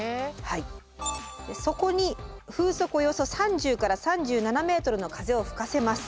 そこに風速およそ３０３７ｍの風を吹かせます。